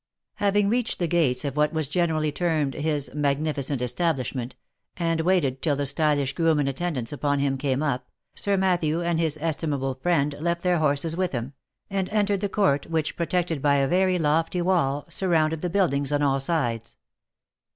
Having reached the gates of what was generally termed his " magnificent establishment," and waited till the stylish groom in attendance upon him came up, Sir Matthew, and his estimable friend, left their horses with him, and entered the court, which, protected by a very lofty wall, surrounded the buildings on all sides.